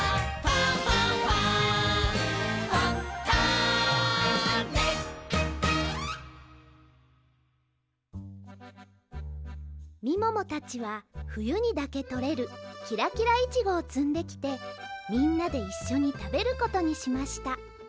「ファンファンファン」みももたちはふゆにだけとれるキラキライチゴをつんできてみんなでいっしょにたべることにしました